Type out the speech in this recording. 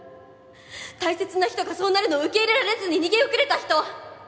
大切な人がそうなるのを受け入れられずに逃げ遅れた人。